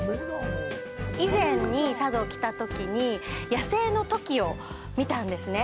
以前に佐渡に来た時に野生のトキを見たんですね。